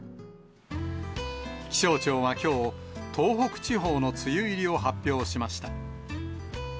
気象庁はきょう、東北地方の梅雨入りを発表しました。